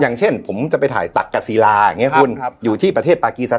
อย่างเช่นผมจะไปถ่ายตักกัสซีลาอย่างเงี้ยครับครับอยู่ที่ประเทศปากีสถาน